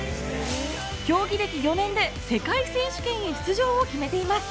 競技歴４年で世界選手権へ出場を決めています。